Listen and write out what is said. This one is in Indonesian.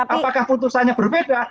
apakah putusannya berbeda